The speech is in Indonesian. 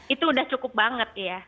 itu udah cukup banget ya